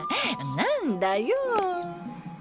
何だよ。